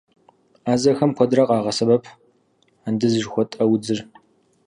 Ӏэзэхэм куэдрэ къагъэсэбэп андыз жыхуэтӏэ удзыр.